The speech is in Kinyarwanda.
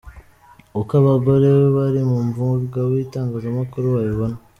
Uko abagore bari mu mwuga w’itangazamakuru babibona.